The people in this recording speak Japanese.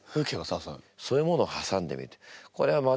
そういうものをはさんでみる。